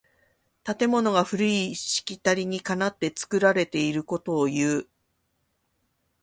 建物が古いしきたりにかなって作られていることをいう。